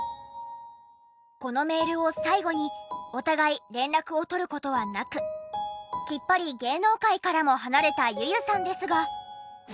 このメールを最後にお互い連絡をとる事はなくきっぱり芸能界からも離れたｙｕ−ｙｕさんですが。